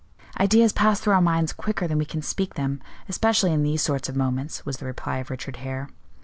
"Ideas pass through our minds quicker than we can speak them, especially in these sorts of moments," was the reply of Richard Hare.